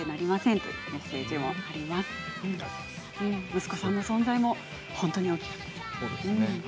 息子さんの存在も本当に大きいですね。